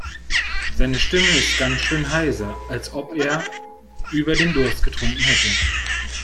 Seine Stimme ist ganz schön heiser, als ob er über den Durst getrunken hätte.